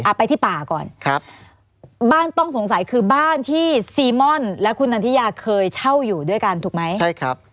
ไปที่ป่าก่อนครับบ้านต้องสงสัยคือบ้านที่ซีม่อนและคุณนันทิยาเคยเช่าอยู่ด้วยกันถูกไหมใช่ครับ